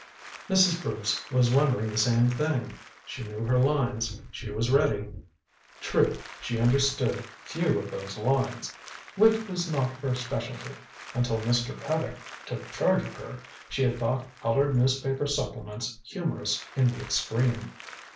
Mrs. Bruce was wondering the same thing. She knew her lines; she was ready. True, she understood few of those lines. Wit was not her specialty. Until Mr. Paddock took charge of her, she had thought colored newspaper supplements humorous in the extreme.